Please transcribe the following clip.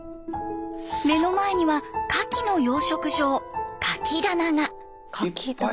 目の前にはカキの養殖場カキ棚が。